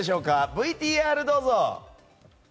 ＶＴＲ、どうぞ。